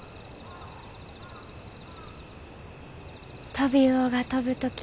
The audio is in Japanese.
「トビウオが飛ぶとき